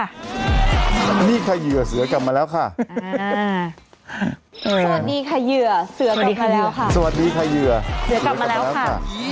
สวัสดีค่ะเหยื่อเสือกลับมาแล้วค่ะสวัสดีค่ะเหยื่อเสือกลับมาแล้วค่ะ